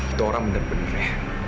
itu orang bener benernya